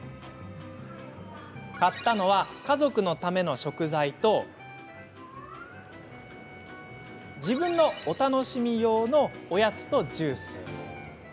買ったのは、家族のための食材と自分のお楽しみ用のおやつとジュース。